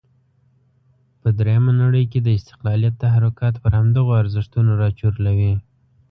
په درېمه نړۍ کې د استقلالیت تحرکات پر همدغو ارزښتونو راچورلوي.